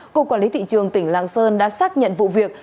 cục quản lý thị trường tỉnh lạng sơn đã xác nhận vụ việc